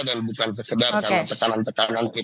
dan bukan sekedar karena tekanan tekanan terhadap ke politik